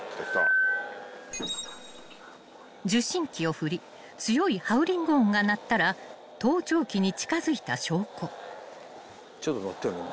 ［受信機を振り強いハウリング音が鳴ったら盗聴器に近づいた証拠］